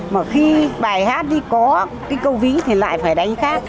mà khi bài hát đi có cái câu ví thì lại phải đánh khác